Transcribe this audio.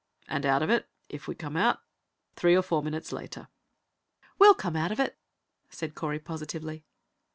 "And out of it if we come out three or four minutes later." "We'll come out of it," said Correy positively.